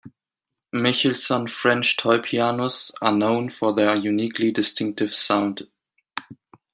Michelsonne French toy-pianos are known for their uniquely distinctive sound.